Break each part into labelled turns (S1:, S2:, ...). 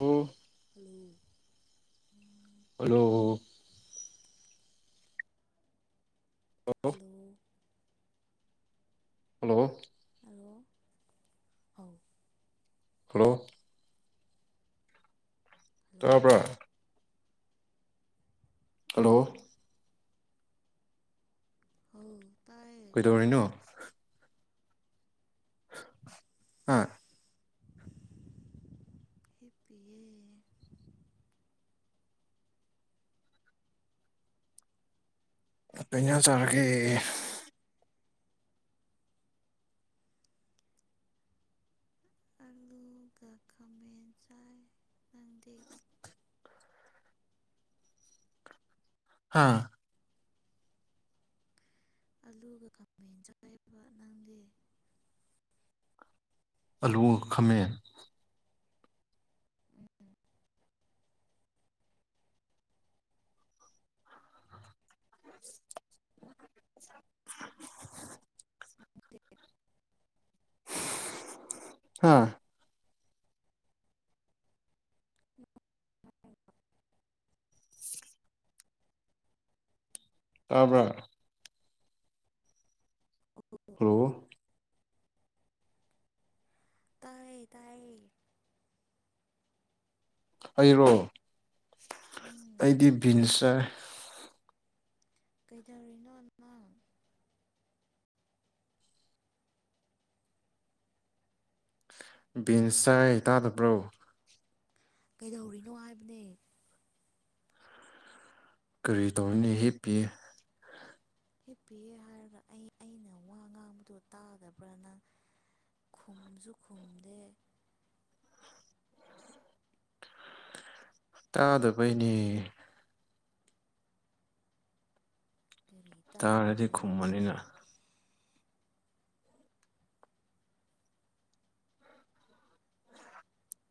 S1: ꯎꯝ
S2: hello
S1: ꯑꯣ hello
S2: ꯑꯗꯣ
S1: hello
S2: ꯑꯥꯎ
S1: ꯍꯂꯣ
S2: ꯍꯜꯂꯣ
S1: ꯇꯥꯄ ꯍꯜꯂꯣ
S2: ꯎꯝ ꯍ
S1: ꯀꯩꯗꯧꯔꯤꯅꯣ ꯑꯥ
S2: ꯐꯄꯤ
S1: ꯄꯥ ꯆꯠꯒꯤ
S2: ꯑꯂꯨꯒ ꯈꯥꯃꯦꯟ ꯆꯥꯏ ꯅꯪꯗꯦ
S1: ꯍꯥꯥ
S2: ꯑꯂꯨꯒ ꯈꯥꯃꯦꯟ ꯆꯥꯏꯕ ꯅꯪꯒꯤ
S1: ꯑꯂꯨ ꯈꯥꯃꯦꯟ [unintelligible] ꯍꯥꯥ [unintelligible] ꯇꯕ ꯍꯜꯂꯣ
S2: ꯇꯥꯌꯦ ꯇꯌꯦ
S1: ꯑꯩꯔꯣ
S2: ꯎꯝ
S1: ꯑꯩꯗꯤ ꯚꯤꯟꯁꯔ
S2: ꯀꯩꯗꯧꯔꯤꯅꯣ ꯅꯃꯪ
S1: ꯕꯤꯟꯁ ꯆꯥꯏ ꯇꯥꯗꯕ꯭ꯔꯣ
S2: ꯀꯩꯗꯧꯔꯤꯅꯣ ꯍꯥꯏꯕꯅꯦ
S1: ꯀꯔꯤ ꯇꯧꯅꯤ ꯍꯤꯞꯄꯤ
S2: ꯍꯤꯞ ꯄꯤꯦ ꯍꯥꯏꯔꯒ ꯑꯩ ꯑꯩꯅ ꯋꯥ ꯉꯥꯡꯕꯗꯣ ꯇꯥꯒꯕ꯭ꯔꯥꯅꯪ ꯈꯨꯝꯕꯁꯨ ꯈꯨꯝꯗꯦ
S1: ꯇꯥꯗꯕꯩꯅꯦ
S2: ꯀꯔꯤ
S1: ꯇꯥꯔꯗꯤ
S2: ꯇꯥꯗꯕꯩꯅꯦ
S1: ꯈꯨꯝꯕꯅꯤꯅ [unintelligible] [inaudible]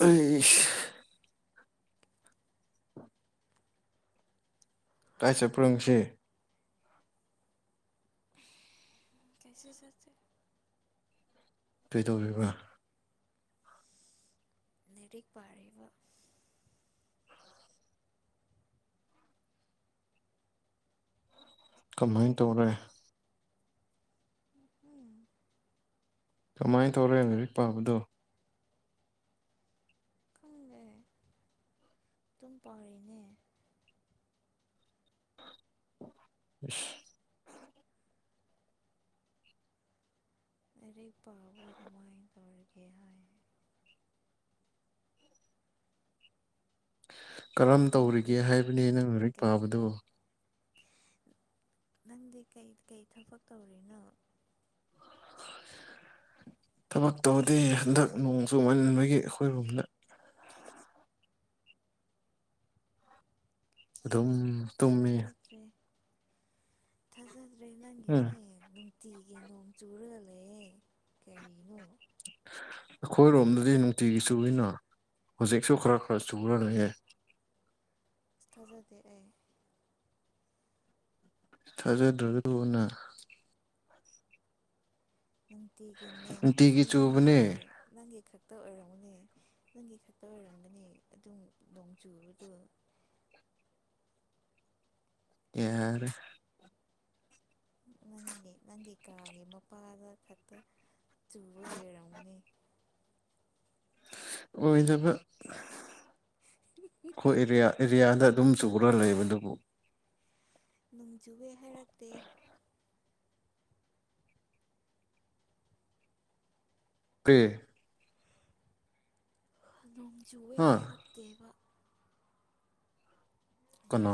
S1: ꯎ ꯀꯥꯏ ꯆꯠꯄꯔꯪꯁꯤ
S2: ꯀꯩꯁꯦ ꯆꯦ
S1: ꯀꯩꯗꯧꯕꯤꯕ
S2: ꯅꯔꯤꯛ ꯄꯥꯔꯤꯕ
S1: ꯀꯃꯥꯏꯅ ꯇꯧꯔꯦ
S2: ꯎꯝ
S1: ꯀꯃꯥꯏꯅ ꯇꯧꯔꯦ ꯂꯥꯏꯔꯤꯛ ꯄꯥꯕꯗꯣ
S2: ꯈꯪꯗꯦ ꯑꯗꯨꯝ ꯄꯥꯔꯤꯅꯦ
S1: [unintelligible] [inaudible]
S2: ꯄꯕꯨ ꯀꯃꯥꯏꯟ ꯇꯧꯔꯒꯦ ꯍꯥꯏ
S1: ꯀꯔꯝ ꯇꯧꯔꯤꯒꯦ
S2: ꯅꯪꯗꯤ
S1: ꯍꯥꯏꯕꯅꯤ ꯅꯪ ꯂꯔꯤꯛ
S2: ꯀꯩ ꯊꯕꯛ
S1: ꯄꯥꯕꯗꯨꯣ
S2: ꯅꯪꯗꯤ ꯀꯩ ꯀꯩ ꯊꯕꯛ ꯇꯧꯔꯤꯅꯣ
S1: ꯑ [inaudible] ꯊꯕꯛ ꯇꯧꯕꯗꯤ ꯍꯟꯗꯛ ꯅꯣꯡ ꯆꯨꯃꯟꯕꯒꯤ ꯑꯩꯈꯣꯏꯒꯨꯝꯕꯅ ꯑꯗꯨꯝ ꯇꯨꯝꯃꯤ
S2: ꯊꯥꯖꯗ꯭ꯔꯦ ꯊꯥꯖꯗ꯭ꯔꯦ
S1: ꯎꯝ
S2: ꯅꯪꯒꯤꯁꯦ ꯇꯤꯒꯤ ꯅꯣꯡ ꯆꯨꯔ ꯂꯩꯌꯦꯦ ꯀꯔꯤꯅꯣ
S1: ꯑꯩꯈꯣꯏꯔꯣꯝꯗꯗꯤ ꯅꯨꯡꯇꯤꯒꯤ ꯆꯨꯏꯅ ꯍꯧꯖꯤꯛꯁꯨ ꯈꯔ ꯈꯔ ꯆꯨꯔꯅꯤꯌꯦ
S2: ꯑꯁ ꯊꯥꯖꯗꯦ ꯑꯩ
S1: ꯊꯥꯖꯗ꯭ꯔꯕꯗꯨꯅ
S2: ꯅꯨꯡꯇꯤꯒꯤ ꯅꯣꯡ
S1: ꯅꯨꯡꯇꯤꯒꯤ
S2: ꯆꯨꯕꯒꯤ
S1: ꯆꯨꯕꯅꯦ
S2: ꯂꯪꯒꯤꯁꯦ ꯂꯪꯒꯤ ꯈꯛ
S1: [unintelligible] [inaudible]
S2: ꯅꯪꯒꯤ ꯈꯛꯇ ꯑꯣꯏꯔꯝꯒꯅꯤ ꯑꯗꯨꯝ ꯅꯣꯡ ꯆꯨꯕꯗꯣ
S1: ꯌꯥ [inaudible]
S2: ꯅꯪꯒꯤ ꯅꯪꯒꯤ ꯀꯥꯒꯤ ꯃꯄꯥꯗ ꯈꯛꯇ ꯆꯨꯕꯒꯤ ꯑꯣꯏꯔꯝꯒꯅꯤ
S1: ꯑꯣꯏꯗꯕ ꯑꯩꯈꯣꯏ ꯑꯦꯔꯤꯌꯥꯗ ꯑꯗꯨꯝ ꯆꯒ꯭ꯔ ꯂꯩꯕ
S2: ꯅꯣꯡꯖꯨꯋꯦ ꯍꯥꯏꯔꯛꯇꯦ
S1: ꯄꯦ
S2: ꯅꯣꯡ ꯆꯨꯦ
S1: ꯍꯥ
S2: ꯍꯥꯏꯔꯛꯇꯦꯕ
S1: ꯀ [inaudible]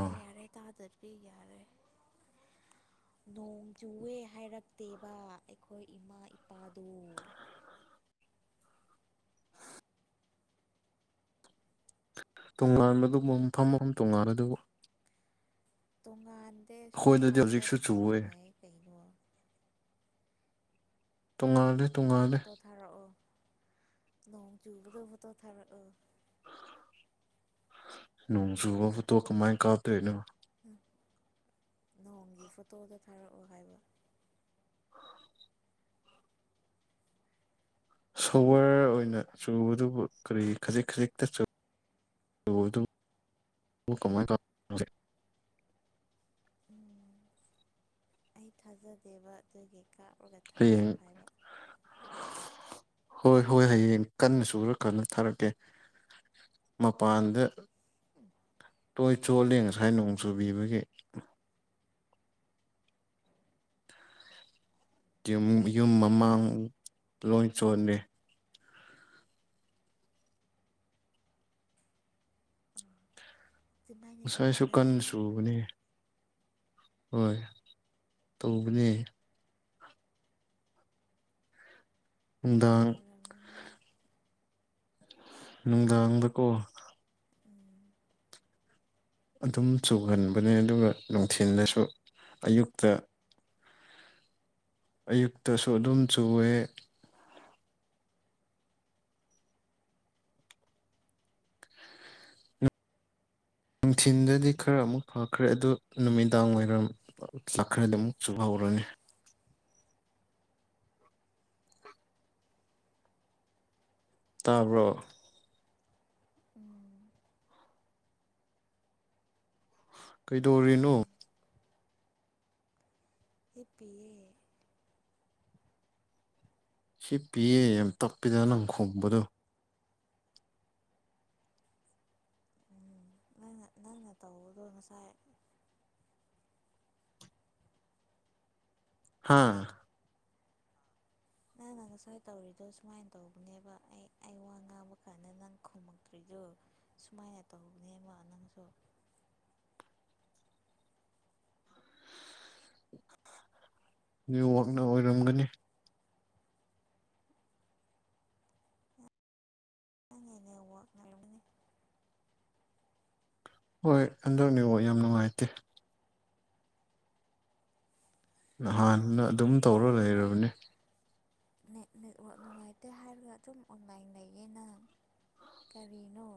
S2: ꯍꯥꯗꯔꯕꯤꯒꯔꯦ
S1: [unintelligible]
S2: ꯅꯣꯡ ꯆꯨꯑꯦ ꯍꯥꯏꯔꯛꯇꯦꯕ ꯑꯩꯈꯣꯏ ꯏꯃꯥ ꯏꯄꯥꯗꯨ
S1: ꯇꯣꯉꯥꯟꯕꯗꯨꯕꯨ ꯃꯐꯝ ꯃ ꯇꯣꯉꯥꯥꯟꯕꯂ ꯑꯗꯨꯕꯨ
S2: ꯇꯣꯉꯥꯟꯗꯦ ꯁꯣꯝ
S1: ꯑꯩꯈꯣꯏꯗꯗꯤ
S2: ꯁ꯭ꯥꯏꯗ
S1: ꯍꯧꯖꯤꯛꯁꯨ ꯆꯨꯋꯦ
S2: ꯃꯥꯟꯅꯩ ꯀꯩꯅꯣ
S1: ꯇꯨꯡꯉꯗꯤ
S2: ꯐꯣꯇꯣ ꯊꯥꯔꯛꯑꯣ ꯅꯣꯡ ꯆꯨꯕꯗ ꯐꯣꯇꯣ ꯊꯥꯔꯛꯑꯣ
S1: ꯅꯣꯡꯁꯨ ꯋꯥꯕꯨ ꯇꯣ ꯀꯃꯥꯏ ꯀꯥꯞꯄ꯭ꯔꯅꯦ
S2: ꯅꯣꯡꯒꯤ ꯐꯣꯇꯣꯗ ꯊꯥꯔꯛꯑꯣ ꯍꯥꯏꯕ
S1: ꯁꯣꯋꯔ ꯑꯣꯏꯅ ꯆꯨꯕꯗꯨꯕꯨ ꯀꯔꯤ ꯈꯖꯤꯛ ꯈꯖꯤꯛꯇ ꯆ ꯀꯃꯥꯏ
S2: ꯎꯝ ꯑꯩ ꯊꯥꯖꯗꯦꯕ ꯑꯗꯨꯒꯤ ꯀꯥꯞꯔꯒ ꯊꯥꯔꯛꯑꯣ
S1: ꯍꯌꯦꯡ
S2: ꯍꯥꯏꯕ
S1: ꯍꯣꯏ ꯍꯣꯏ ꯍꯌꯦꯡ ꯀꯟꯅ ꯁꯨꯔ ꯀꯟꯅ ꯊꯥꯔꯛꯀꯦ ꯃꯄꯥꯟꯗ ꯇꯣꯏ ꯆꯣꯜꯂꯤ ꯉꯁꯥꯏ ꯅꯣꯡ ꯆꯨꯕꯤꯕꯒꯤ ꯌꯨꯝ ꯃꯃꯥꯡ ꯂꯣꯏ ꯆꯣꯟꯗꯦ
S2: ꯑꯗꯨꯃꯥꯏꯅ
S1: ꯉꯁꯥꯏꯁꯨ
S2: ꯇꯧꯕ꯭ꯔꯥ
S1: ꯀꯟ ꯁꯨꯕꯅꯦ ꯍꯣꯏ ꯇꯧꯕꯅꯦ
S2: ꯇꯧꯔꯝꯒꯅꯤ
S1: [unintelligible] ꯅꯨꯡꯗꯥꯡꯗꯀꯣ
S2: ꯎꯝ
S1: ꯑꯗꯨꯝ ꯆꯨꯒꯟꯕꯅꯦ ꯑꯗꯨꯒ ꯅꯨꯡꯊꯤꯜꯗꯁꯨ ꯑꯌꯨꯛꯇ ꯑꯌꯨꯛꯇꯁꯨ ꯑꯗꯨꯝ ꯆꯨꯑꯦ ꯅꯨꯡꯊꯤꯜꯗꯗꯤ ꯈꯔ ꯑꯃꯨꯛ ꯐꯈ꯭ꯔꯦ ꯑꯗꯨ ꯅꯨꯃꯤꯗꯥꯡ ꯋꯥꯏꯔꯝ ꯆꯥꯛꯈ꯭ꯔꯗꯤ ꯑꯃꯨꯛꯁꯨꯨꯍꯥꯎꯋ ꯄꯨꯔꯅꯤ ꯇꯥꯕ꯭ꯔꯣ
S2: ꯎꯝ
S1: ꯀꯩꯗꯧꯔꯤꯅꯣ
S2: ꯇꯥꯏ ꯍꯤꯞꯄꯤꯑꯦ
S1: ꯁꯤ ꯄꯤꯌꯦ ꯌꯥꯝ ꯇꯞꯄꯤꯗꯅ ꯅꯪ ꯈꯨꯝꯕꯗꯣ
S2: ꯎꯝ ꯅꯪꯅ ꯅꯪꯅ ꯇꯧꯕꯗꯣ ꯉꯁꯥꯏ
S1: ꯍꯥꯥ
S2: ꯅꯪꯅ
S1: [unintelligible]
S2: ꯉꯁꯥꯏ ꯇꯧꯔꯤꯗꯣ ꯁꯨꯃꯥꯏꯅ ꯇꯧꯕꯅꯦꯕ ꯑꯩ ꯑꯩ ꯋꯥ ꯉꯥꯡꯕ ꯀꯥꯟꯗ ꯅꯪ ꯈꯨꯝꯃꯛꯇ꯭ꯔꯤꯗꯣ ꯁꯨꯃꯥꯏꯅ ꯇꯧꯅꯦꯕ ꯅꯪꯁꯨ
S1: [unintelligible] ꯅꯦꯠꯋꯥ꯭ꯔꯛꯅ ꯑꯣꯏꯔꯝꯒꯅꯤ
S2: ꯅꯪꯒꯤ ꯅꯦꯠꯋꯥ꯭ꯔꯛꯅ ꯑꯣꯏꯔꯝꯒꯅꯤ
S1: ꯍꯣꯏ ꯍꯟꯗꯛ ꯅꯦꯠꯋꯥ꯭ꯔꯛ ꯌꯥꯝ ꯅꯨꯡꯉꯥꯏꯇꯦ ꯅꯍꯥꯟꯅ
S2: ꯅꯦꯠꯋꯥꯛ
S1: ꯑꯗꯨꯝ
S2: ꯅꯨꯡꯉꯥꯏꯇꯦ
S1: ꯇꯧꯔ
S2: ꯍꯥꯏꯔ
S1: ꯂꯩꯔꯕꯅꯦ
S2: ꯅꯦꯠ ꯅꯦꯠꯋꯥ꯭ꯔꯛ ꯅꯨꯡꯉꯥꯏꯇꯦ ꯍꯥꯏꯔꯒ ꯑꯗꯨꯝ ꯑꯣꯟꯂꯥ꯭ꯏꯟ ꯂꯩꯌꯦ ꯅꯪ ꯀꯔꯤꯅꯣ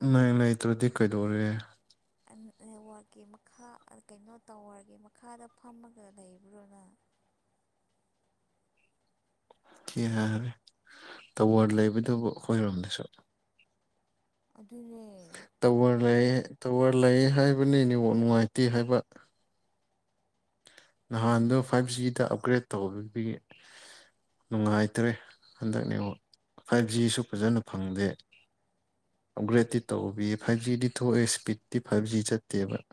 S1: ꯑꯣꯟꯂꯥ꯭ꯏꯟ ꯂꯩꯇ꯭ꯔꯗꯤ ꯀꯩꯗꯧꯔꯦ
S2: ꯅꯦꯠꯋꯥ꯭ꯔꯛꯀꯤ ꯃꯈꯥ ꯀꯩꯅꯣ ꯇꯥꯋꯔꯒꯤ ꯃꯈꯥꯗ ꯐꯝꯃꯒ ꯂꯩꯕ꯭ꯔꯣ ꯅꯪ
S1: [unintelligible] ꯀꯤ ꯍꯥꯏꯔꯦ ꯇꯋꯥꯔ ꯂꯩꯕꯗꯨꯕꯨ ꯑꯩꯈꯣꯏꯔꯣꯝꯗꯁꯨ
S2: ꯑꯗꯨꯅꯦ
S1: ꯇꯋꯥꯔ ꯂꯩ ꯇꯋꯥꯔ ꯂꯩ ꯍꯥꯏꯕꯅꯤ ꯅꯦꯠꯋꯥ꯭ꯔꯛ ꯅꯨꯡꯉꯥꯏꯇꯦ ꯍꯥꯏꯕ ꯅꯍꯥꯟꯗꯣ ꯐꯥꯏ꯭ꯚ ꯖꯤ ꯗ ꯑꯞꯒ꯭ꯔꯦꯗ ꯇꯧꯔꯨꯕꯒꯤ ꯅꯨꯡꯉꯥꯏꯇ꯭ꯔꯦ ꯍꯟꯗꯛ ꯅꯦꯠꯋꯥ꯭ꯔꯛ ꯐꯥꯏ꯭ꯚ ꯖꯤꯁꯨ ꯐꯖꯅ ꯐꯪꯗꯦ ꯑꯞꯒ꯭ꯔꯦꯗꯇꯤ ꯇꯧꯕꯤ ꯐꯥꯏꯚ ꯖꯤꯗꯤ ꯊꯣꯛꯑꯦ ꯁ꯭ꯄꯤꯠꯇꯤ ꯐꯥꯏꯚ ꯖꯤ ꯆꯠꯇꯦꯕ [unintelligible]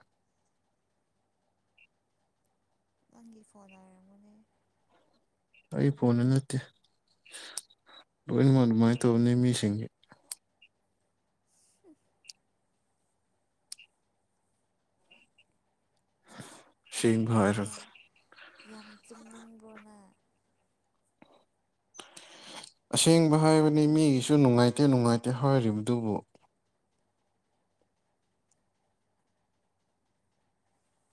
S2: ꯅꯪꯒꯤ ꯐꯣꯟ ꯑꯣꯏꯔꯝꯒꯅꯤ
S1: ꯑꯩ ꯐꯣꯟꯅ ꯅꯠꯇꯦ ꯂꯣꯏꯅꯃꯛ ꯑꯗꯨꯃꯥꯏꯅ ꯇꯧꯅꯤ ꯃꯤꯁꯤꯡꯒꯤ
S2: ꯍꯨꯝ ꯌꯥꯝ
S1: ꯁꯦꯡꯕ ꯍꯥꯏꯔꯒ
S2: ꯌꯥꯝ ꯌꯥꯝ ꯆꯨꯝꯅꯤꯡꯕ꯭ꯔꯣꯅ
S1: [unintelligible] ꯑꯁꯦꯡꯕ ꯍꯥꯏꯕꯅꯤ ꯃꯤꯒꯤꯁꯨ ꯅꯨꯡꯉꯥꯏꯇꯦ ꯅꯨꯡꯉꯥꯏꯇꯦ ꯍꯥꯏꯔꯤꯕꯗꯨꯕꯨ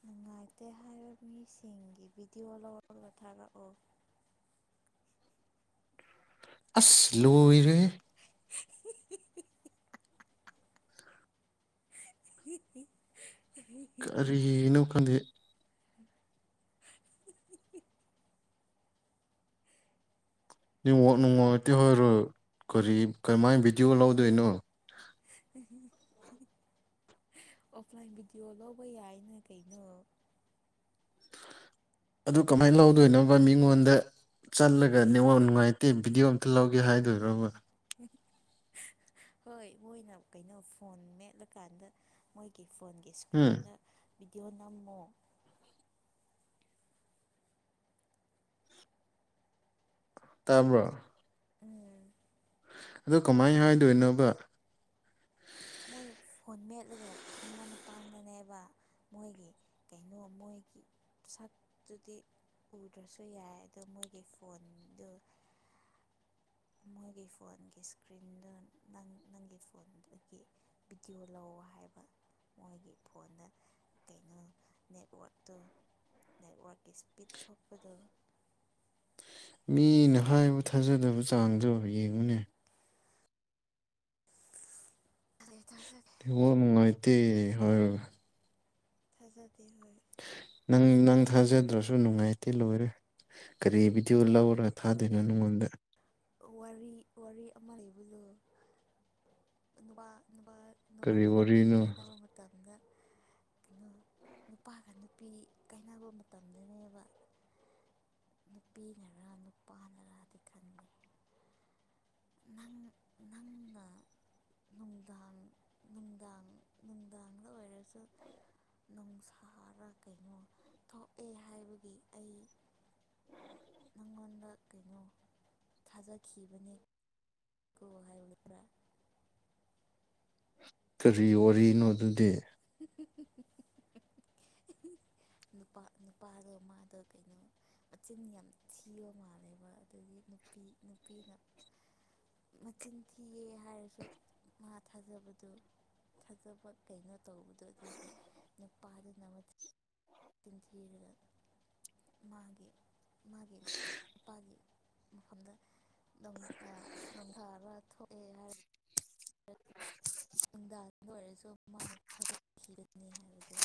S2: ꯅꯨꯡꯉꯥꯏꯇꯦ ꯍꯥꯏꯔ ꯃꯤꯁꯤꯡꯒꯤ ꯚꯤꯗꯤꯑꯣ ꯂꯧꯔꯒ ꯊꯥꯒꯠꯂꯣ
S1: [unintelligible] ꯑ꯭ꯁ ꯂꯣꯢꯔꯦꯍꯦ
S2: ꯍꯤꯍꯤ
S1: ꯀꯔꯤꯅꯣ ꯈꯪꯗꯦ ꯅꯦꯠꯋꯥ꯭ꯔꯛ ꯅꯨꯡꯉꯥꯏꯇꯦ ꯍꯣꯏꯔ ꯀꯔꯤ ꯀꯝꯃꯥꯏꯅ ꯚꯤꯗꯤꯑꯣ ꯂꯧꯗꯣꯏꯅꯣ [unintelligible]
S2: ꯑꯣ꯭ꯐꯂꯥ꯭ꯏꯟ ꯚꯤꯗꯤꯑꯣ ꯂꯧꯕ ꯌꯥꯏꯅ ꯀꯩꯅꯣ
S1: ꯑꯗꯨ ꯀꯃꯥꯏ ꯂꯧꯗꯣꯏꯅꯣꯕ ꯃꯤꯉꯣꯟꯗ ꯆꯠꯂꯒ ꯅꯦꯠꯋꯥ꯭ꯔꯛ ꯅꯨꯡꯉꯥꯏꯇꯦ ꯚꯤꯗꯤꯑꯣ ꯑꯝ ꯂꯧꯒꯦ ꯍꯥꯏꯗꯣꯏꯔꯣꯕ
S2: ꯍꯣꯏ ꯃꯣꯏꯅ ꯀꯩꯅꯣ ꯐꯣꯟ ꯃꯦꯠꯂꯀꯥꯟꯗ ꯃꯣꯏꯒꯤ ꯐꯣꯟꯒꯤ
S1: ꯎꯝ
S2: ꯁꯀ꯭ꯔꯤꯟꯗ ꯚꯤꯗꯤꯑꯣ ꯅꯝꯃꯣ
S1: ꯇꯥꯕ꯭ꯔꫭ
S2: ꯎꯝ
S1: ꯑꯗꯨ ꯀꯃꯥꯏꯅ ꯍꯥꯏꯗꯣꯏꯅꯣꯕ
S2: ꯃꯣꯏ ꯐꯣꯟ ꯃꯦꯠꯂꯒ ꯐꯝꯕ ꯃꯇꯥꯡꯗꯅꯦꯕ ꯃꯣꯏꯒꯤ ꯀꯩꯅꯣ ꯃꯣꯏ
S1: [unintelligible]
S2: ꯁꯛꯇꯨꯗꯤ ꯎꯗ꯭ꯔꯁꯨ ꯌꯥꯏ ꯑꯗꯣ ꯃꯣꯏꯒꯤ ꯐꯣꯟꯗꯨ
S1: [inaudible]
S2: ꯅꯪꯒꯤ ꯐꯣꯟꯒꯤ ꯁꯀ꯭ꯔꯤꯟꯗ ꯅꯪ ꯅꯪꯒꯤ ꯐꯣꯟꯗꯨꯒꯤ ꯚꯤꯗꯤꯌꯣ ꯂꯧ ꯍꯥꯏꯕ ꯃꯣꯏꯒꯤ ꯐꯣꯟꯗ ꯀꯩꯅꯣ ꯅꯦꯠꯋꯥ꯭ꯔꯛꯇꯨ ꯅꯦꯠꯋ꯭ꯔꯛꯀꯤ ꯁ꯭ꯄꯤꯠ ꯊꯣꯛꯄꯗꯨ
S1: ꯃꯤꯅ ꯍꯥꯏꯕ ꯊꯥꯖꯗꯕ ꯆꯥꯡꯗꯣ ꯌꯦꯡꯉꯨꯅꯦ
S2: [unintelligible]
S1: [unintelligible]
S2: [unintelligible]
S1: ꯅꯪ ꯅꯪ
S2: ꯀꯩꯅꯣ
S1: ꯊꯥꯖꯗ꯭ꯔꯁꯨ ꯅꯨꯡꯉꯥꯏꯇꯦ ꯂꯣꯏꯔꯦ ꯀꯔꯤ ꯚꯤꯗꯤꯑꯣ
S2: ꯋꯥꯔꯤ
S1: ꯂꯧꯔꯒ ꯊꯥꯗꯣꯏꯅꯣ ꯅꯉꯣꯟꯗ
S2: ꯋꯥꯔꯤ ꯑꯃ ꯂꯩꯕꯗꯣ ꯅꯨꯄꯥ
S1: ꯀꯔꯤ
S2: ꯅꯨꯄꯥꯒ ꯅꯨꯄꯤ
S1: ꯋꯥꯔꯤꯅꯣ
S2: ꯀꯩꯅꯅꯕ ꯃꯇꯝꯗ ꯀꯩꯅꯣ
S1: [unintelligible]
S2: ꯅꯨꯄꯥꯒ ꯅꯨꯄꯤ ꯀꯥꯏꯅꯕ ꯃꯇꯝꯗꯅꯦꯕ ꯅꯨꯄꯤꯅꯔ ꯅꯨꯄꯥꯅꯔꯗꯤ ꯈꯟꯂꯦ
S1: [unintelligible]
S2: ꯅꯨꯡꯗꯥꯡ ꯅꯨꯡꯗꯥꯡ ꯅꯨꯡꯗꯥꯡꯗ ꯑꯣꯏꯔꯁꯨ ꯅꫭꯡꯁꯥꯔ ꯀꯩꯅꯣ ꯊꯣꯛꯑꯦ ꯍꯥꯏꯕꯒꯤ ꯑꯩ ꯅꯪꯉꯣꯟꯗ ꯀꯩꯅꯣ ꯊꯥꯖꯈꯤꯕꯅꯤ [unintelligible]
S1: ꯀꯔꯤ ꯋꯥꯔꯤꯅꯣ ꯑꯗꯨꯗꯤ
S2: [unintelligible] ꯅꯨꯄꯥ ꯅꯨꯄꯥꯗꯣ ꯃꯥꯗꯣ ꯀꯩꯅꯣ ꯃꯆꯤꯟ ꯌꯥꯝ ꯊꯤꯕ ꯃꯥꯜꯂꯦꯕ ꯑꯗꯨꯗꯒꯤ ꯅꯨꯄꯤ ꯅꯨꯄꯤꯅ ꯃꯆꯤꯟ ꯊꯤꯌꯦ ꯍꯥꯏꯔꯁꯨ ꯃꯥ ꯊꯥꯖꯕꯗꯨ ꯐꯖꯕ ꯀꯩꯅꯣ ꯇꯧꯕꯗꯣ ꯑꯗꯨꯒꯤ ꯅꯨꯄꯥꯗꯨꯅꯊ ꯆꯤꯟꯊꯤꯔꯒ ꯃꯥꯒꯤ ꯃꯥꯒꯤ ꯅꯨꯄꯥꯒꯤ ꯃꯐꯝꯗ ꯅꯣꯡꯊꯥꯑꯒ ꯊꯣꯛꯑꯦ ꯍꯥꯏꯔ
S1: [unintelligible]
S2: ꯅꯨꯡꯗꯥꯡꯕꯨ ꯑꯣꯏꯔꯁꯨ ꯃꯥꯅ ꯊꯥꯗꯠꯈꯤꯒꯅꯤ ꯍꯥꯏꯕꯗꯨ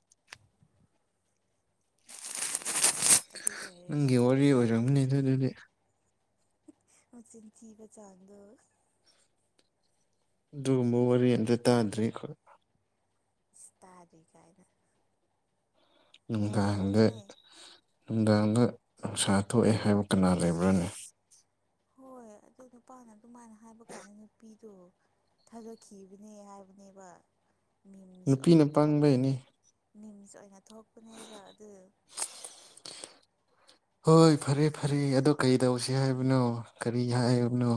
S1: [unintelligible]
S2: ꯑꯗꯨ ꯑꯣꯏꯔꯦꯕ
S1: ꯅꯪꯒꯤ ꯋꯥꯔꯤ ꯑꯣꯏꯔꯝꯅꯦ ꯑꯗꯨ ꯑꯗꯨꯗꯤ
S2: ꯑꯣ ꯆꯤꯟ ꯆꯤꯕ ꯆꯥꯟꯗ
S1: ꯑꯗꯨ ꯃꯔꯤ ꯌꯦꯟ ꯇꯗ꯭ꯔꯤꯈ
S2: ꯇꯥꯔꯤ ꯀꯥꯏꯅ ꯌꯥꯝ
S1: ꯅꯨꯡꯗꯥꯡꯗ
S2: ꯂꯩꯕꯅꯦ
S1: ꯅꯨꯡꯗꯥꯡꯗ ꯅꯨꯡꯁꯥ ꯊꯣꯛꯑꯦ ꯍꯥꯏꯕ ꯀꯅꯥ ꯂꯩꯕ꯭ꯔꯥꯅꯤ
S2: ꯍꯣꯏ ꯑꯗꯨꯣ ꯅꯨꯄꯥꯅ ꯑꯗꯨꯃꯥꯏꯅ ꯍꯥꯏꯕ ꯀꯥꯟꯗ ꯅꯨꯄꯤꯗꯣ ꯊꯥꯗꯈꯤꯕꯅꯦ ꯍꯥꯏꯕꯅꯦꯕ
S1: ꯅꯨꯄꯤꯅ ꯄꯪꯕꯩꯅꯤ
S2: ꯅꯤꯝꯁ ꯑꯣꯏꯅ ꯊꯣꯛꯄꯅꯦꯕ ꯑꯗꯨ
S1: ꯍꯣꯏ ꯐꯔꯦ ꯐꯔꯦ ꯑ ꯀꯔꯤ ꯇꯧꯁꯤ ꯍꯥꯏꯕꯅꯣ ꯀꯔꯤ ꯍꯥꯏꯕꯅꯣ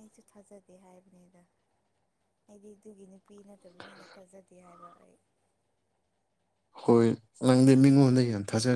S2: ꯑꯩꯁꯨ ꯊꯥꯖꯗꯦ ꯍꯥꯏꯕꯅꯤꯗ ꯑꯩꯗꯤ ꯑꯗꯨꯒꯤ ꯅꯨꯄꯤ ꯅꯠꯇꯕꯤꯅꯤꯅ ꯊꯥꯖꯗꯦ ꯒꯤ ꯍꯥꯏꯕ ꯑꯩ
S1: ꯍꯣꯏ ꯅꯪꯗ ꯃꯤꯉꯣꯟꯗ ꯌꯥꯝ ꯊꯥꯖꯔꯦ